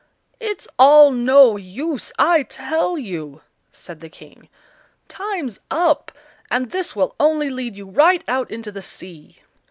"It's all no use, I tell you," said the King; "time's up, and this will only lead you right out into the sea."